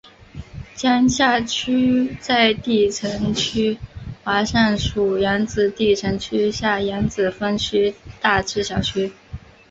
江夏区在地层区划上属扬子地层区下扬子分区大冶小区。